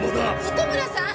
糸村さん！